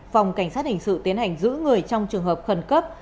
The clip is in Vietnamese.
phòng cảnh sát hình sự tiến hành giữ người trong trường hợp khẩn cấp